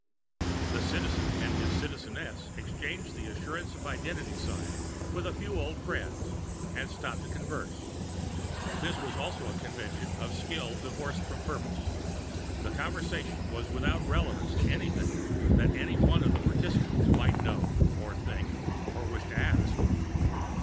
The Citizen and his Citizeness exchanged the assurance of identity sign with a few old friends and stopped to converse. This also was a convention of skill divorced from purpose. The conversation was without relevance to anything that any one of the participants might know, or think, or wish to ask.